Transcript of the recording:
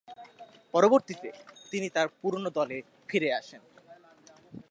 পরবর্তীতে, তিনি তার পুরোনো দলে ফিরে আসেন।